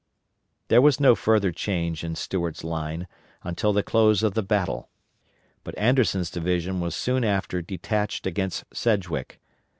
There was no further change in Stuart's line until the close of the battle; but Anderson's division was soon after detached against Sedgwick.